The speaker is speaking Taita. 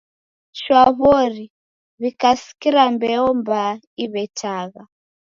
Shwa w'ori, w'ikasikira mbeo mbaa iw'etagha.